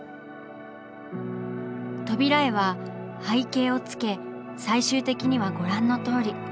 扉絵は背景をつけ最終的にはご覧のとおり。